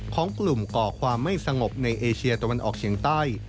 ของกลุ่มก่อความไม่สงบในเอเชียตะวันออกเฉียงใต้